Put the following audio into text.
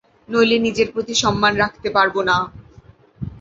নইলে নিজের প্রতি সম্মান রাখতে পারব না।